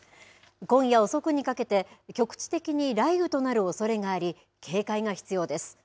今夜遅くにかけて局地的に雷雨となるおそれがあり警戒が必要です。